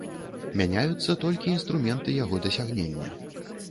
Мяняюцца толькі інструменты яго дасягнення.